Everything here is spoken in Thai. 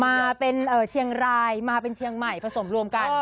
มาเป็นเชียงรายมาเป็นเชียงใหม่ผสมรวมกัน